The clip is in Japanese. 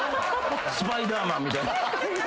スパイダーマンみたい。